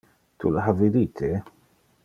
Tu le ha vidite?